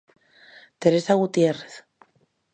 Teresa Gutiérrez.